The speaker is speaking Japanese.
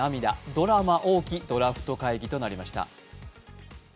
ドラマ多きドラフト会議となりました。